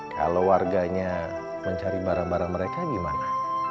kalau warganya mencari barang barang mereka gimana